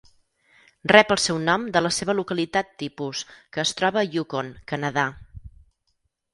Rep el seu nom de la seva localitat tipus, que es troba a Yukon, Canadà.